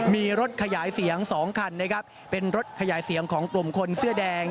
มีรถขยายเสียง๒คันนะครับเป็นรถขยายเสียงของกลุ่มคนเสื้อแดง